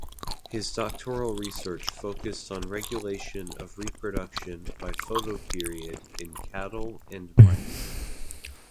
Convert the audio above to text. His doctoral research focused on regulation of reproduction by photoperiod in cattle and mice.